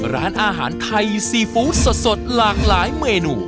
ร้านอาหารไทยซีฟู้ดสดหลากหลายเมนู